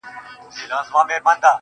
• د تورو زلفو په هر تار راته خبري کوه.